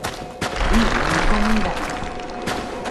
Inuu comida.